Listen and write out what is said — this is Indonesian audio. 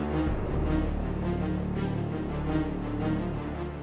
siapa ini perempuan